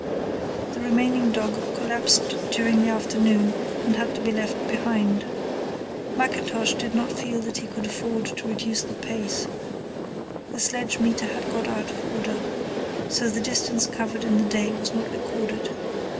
The remaining dog collapsed during the afternoon and had to be left behind. Mackintosh did not feel that he could afford to reduce the pace. The sledge meter, had got out of order, so the distance covered in the day was not recorded.